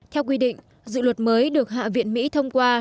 theo quy định dự luật mới được hạ viện mỹ thông qua